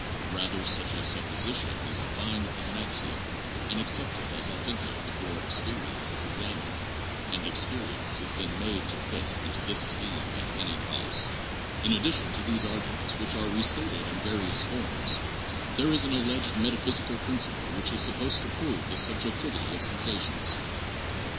Rather such a supposition is defined as an axiom and accepted as authentic before experience is examined, and experience is then made to fit into this scheme at any cost. In addition to these arguments which are restated in various forms, there is an alleged metaphysical principle which is supposed to prove the subjectivity of sensations.